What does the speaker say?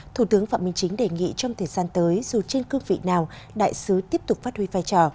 thủ tướng phạm minh chính đề nghị trong thời gian tới dù trên cương vị nào đại sứ tiếp tục phát huy vai trò